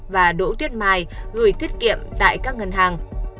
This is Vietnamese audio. và đỗ tuyết mai gửi tiết kiệm tại các ngân hàng